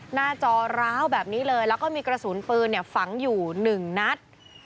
จอร้าวแบบนี้เลยแล้วก็มีกระสุนปืนฝังอยู่๑นัด